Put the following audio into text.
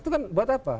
itu kan buat apa